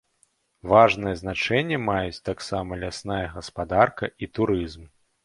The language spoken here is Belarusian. Важнае значэнне маюць таксама лясная гаспадарка і турызм.